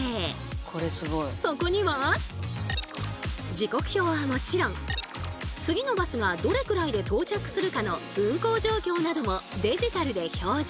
時刻表はもちろん次のバスがどれくらいで到着するかの運行状況などもデジタルで表示。